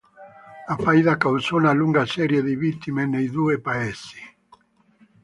La faida causò una lunga serie di vittime nei due paesi.